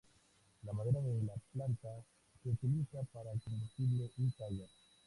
La madera de la planta se utiliza para combustible y talla.